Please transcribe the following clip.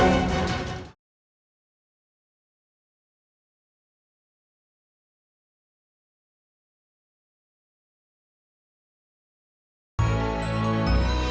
kau pikir aku takut